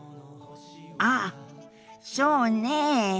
ああそうねえ。